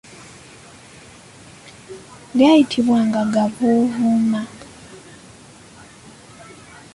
Lyayitibwanga gavuuvuuma.